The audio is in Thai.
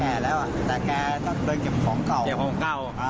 แกแล้วอ่ะแต่แกก็เดินเก็บของเก่าเก็บของเก่าอ่า